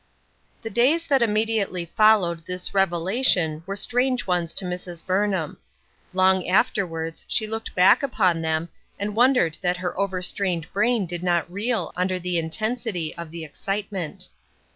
THE days that immediately followed this rev lation were strange ones to Mrs. Burnham. Long afterwards she looked back upon them, and wondered that her over strained brain did not reel under the intensity of the excitement.